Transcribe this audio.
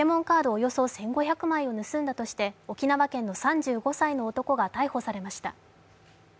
およそ１５００枚を盗んだとして沖縄県の３５歳の男が逮捕されました。